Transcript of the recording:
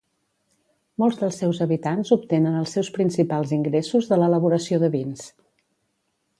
Molts dels seus habitants obtenen els seus principals ingressos de l'elaboració de vins.